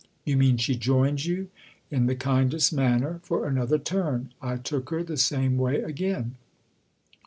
" You mean she joined you ?"" In the kindest manner for another turn. I took her the same way again."